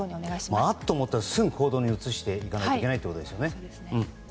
あっ思ったらすぐ行動に移さないといけないということですね。